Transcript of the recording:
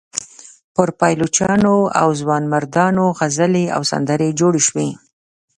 پر پایلوچانو او ځوانمردانو غزلې او سندرې جوړې شوې.